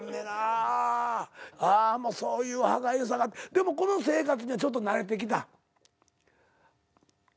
でもこの生活にはちょっと慣れてきた？